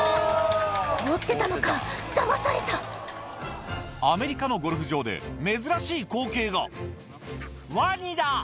凍ってたのかだまされたアメリカのゴルフ場で珍しい光景がワニだ！